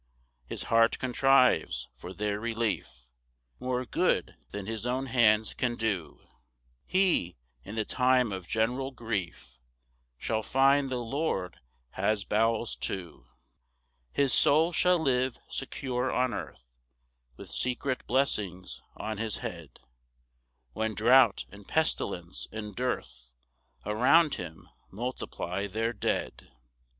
2 His heart contrives for their relief More good than his own hands can do; He, in the time of general grief, Shall find the Lord has bowels too. 3 His soul shall live secure on earth, With secret blessings on his head, When drought, and pestilence, and dearth Around him multiply their dead.